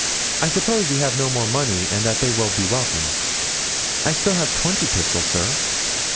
I suppose you have no more money and that they will be welcome." "I have still twenty pistoles, sir."